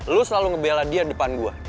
lo selalu ngebela dia depan gue